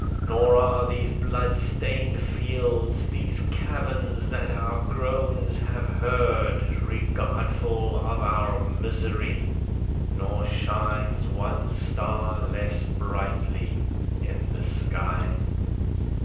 Nor are these blood stained fields, These caverns, that our groans have heard, Regardful of our misery; Nor shines one star less brightly in the sky.